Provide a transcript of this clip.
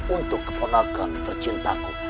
untuk keponakan tercintaku